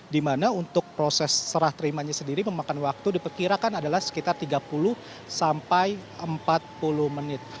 di mana untuk proses serah terimanya sendiri memakan waktu diperkirakan adalah sekitar tiga puluh sampai empat puluh menit